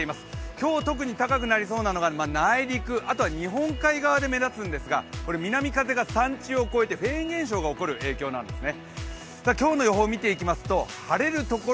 今日特に高くなりそうなのが内陸、あとは日本海側で目立つんですが、南風が山地を越えてフェーン現象が起きる影響なんですね。